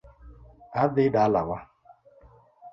Adhi dalawa